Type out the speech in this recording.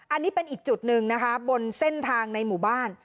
อันนี้เป็นอีกจุดหนึ่งนะคะบนเส้นทางในหมู่บ้าน